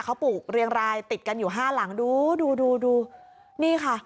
เขาปลูกเรียงรายติดกันอยู่ห้าหลังดูดูดูดูดูนี่ค่ะ